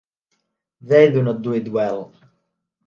They do not do it well